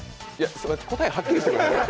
それ、答えはっきりしてください。